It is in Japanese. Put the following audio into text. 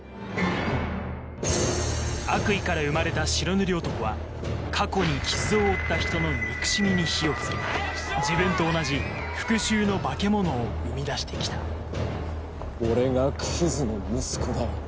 悪意から生まれた白塗り男は過去に傷を負った人の憎しみに火を付け自分と同じ復讐の化け物を生み出して来た俺がクズの息子だよ。